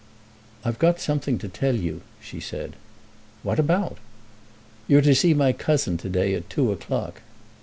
"I've got something to tell you," she said. "What about?" "You're to see my cousin to day at two o'clock."